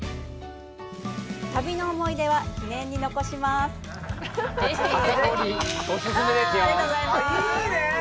旅の思い出は記念に残します！